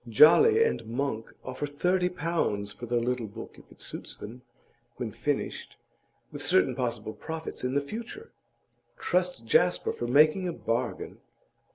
Jolly and Monk offer thirty pounds for the little book, if it suits them when finished, with certain possible profits in the future. Trust Jasper for making a bargain!